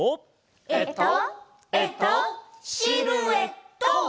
えっとえっとシルエット！